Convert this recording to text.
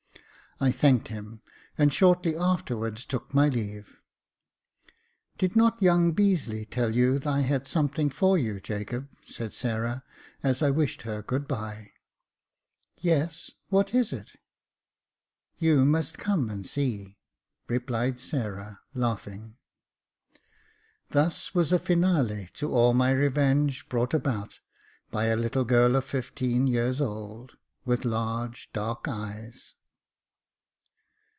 I thanked him, and shortly afterwards took my leave. "Did not young Beazeley tell you I had something for you, Jacob ?" said Sarah, as I wished her good bye. "Yes: what is it?" " You must come and see," replied Sarah, laughing. Thus was a finale to all my revenge brought about by a little girl of fifteen years old, with large dark eyes.